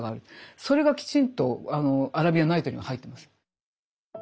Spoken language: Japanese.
それがきちんと「アラビアン・ナイト」には入ってます。